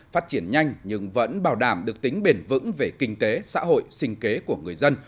phát triển nhanh nhưng vẫn bảo đảm được tính bền vững về kinh tế xã hội sinh kế của người dân